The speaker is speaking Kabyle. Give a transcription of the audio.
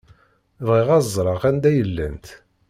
Bɣiɣ ad ẓṛeɣ anda i llant.